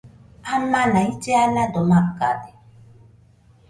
Amana ille anado makade